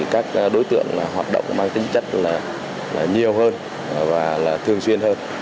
các đối tượng hoạt động mang tính chất là nhiều hơn và thường xuyên hơn